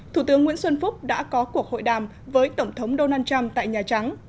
thủ tướng nguyễn xuân phúc đã có cuộc hội đàm với tổng thống donald trump tại nhà trắng